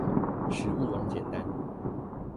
食物網簡單